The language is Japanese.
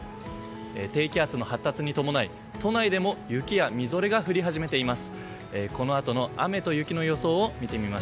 低気圧の発達に伴い都内でも雪やみぞれが降り始めています。